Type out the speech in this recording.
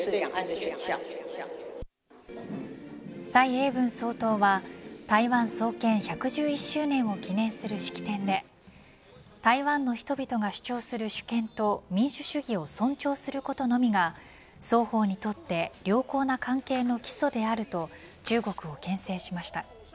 蔡英文総統は台湾創建１１１周年を記念する式典で台湾の人々が主張する主権と民主主義を尊重することのみが双方にとって良好な関係の基礎であると中国をけん制しました。